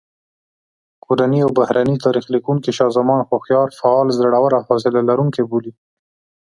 کورني او بهرني تاریخ لیکونکي شاه زمان هوښیار، فعال، زړور او حوصله لرونکی بولي.